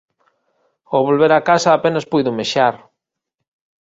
Ao volver a casa apenas puido mexar.